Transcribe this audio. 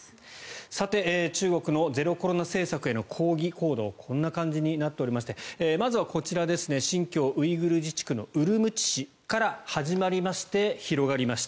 中国のゼロコロナ政策への抗議行動こんな感じになっておりましてまずはこちら新疆ウイグル自治区のウルムチ市から始まりまして広がりました。